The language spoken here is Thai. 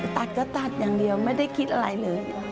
ตัดก็ตัดอย่างเดียวไม่ได้คิดอะไรเลย